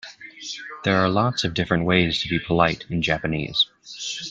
There are lots of different ways to be polite in Japanese.